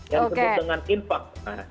yang sebut dengan infak